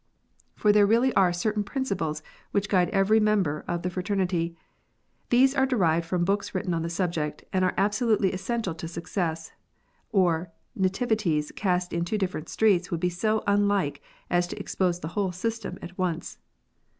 For there really are certain principles which guide every member of the fraternity. These are derived from books written on the subject, and are absolutely essential to success, or nativities cast in two different streets would be so unlike as to expose the whole system at once.